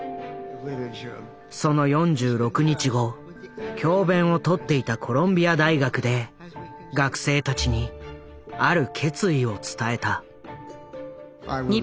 その４６日後教べんをとっていたコロンビア大学で学生たちにある決意を伝えた。